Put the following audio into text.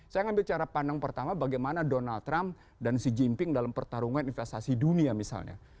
saya ambil cara pandang pertama bagaimana donald trump dan xi jinping dalam pertarungan investasi dunia misalnya